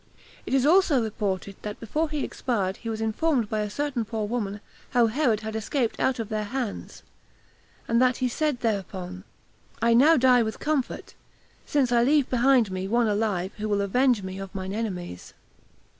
It is also reported that before he expired he was informed by a certain poor woman how Herod had escaped out of their hands, and that he said thereupon, "I now die with comfort, since I leave behind me one alive that will avenge me of mine enemies."